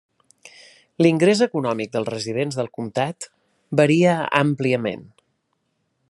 L'ingrés econòmic dels residents del comtat varia àmpliament.